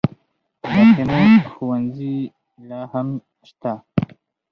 د خیمو ښوونځي لا هم شته؟